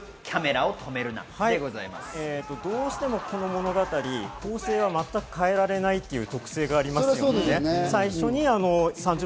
どうしてもこの物語、構成は全く変えられないという特性がありますよね。